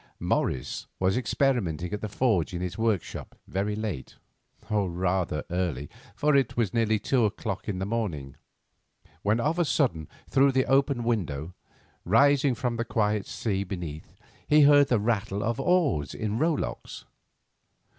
Morris was experimenting at the forge in his workshop very late—or, rather early, for it was near to two o'clock in the morning—when of a sudden through the open window, rising from the quiet sea beneath, he heard the rattle of oars in rowlocks.